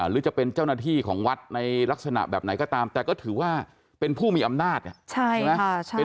หรือจะเป็นเจ้าหน้าที่ของวัดในลักษณะแบบไหนก็ตามแต่ก็ถือว่าเป็นผู้มีอำนาจใช่ไหม